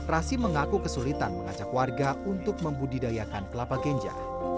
rasim mengaku kesulitan mengajak warga untuk membudidayakan kelapa ganja